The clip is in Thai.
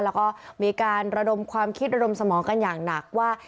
แล้วก็มีการระดมความคิดระดมสมองกันอย่างหนักว่า